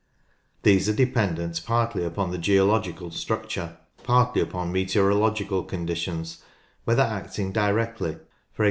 These are dependent partly upon the geological structure, partly upon meteoro logical conditions, whether acting directly — e.g.